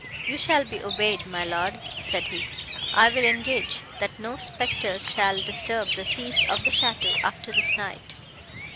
"You shall be obeyed, my Lord," said he; "I will engage, that no spectre shall disturb the peace of the château after this night."